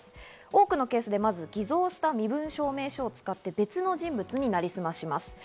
多くのケースで偽造した身分証明書を使って別の人物になりすまします。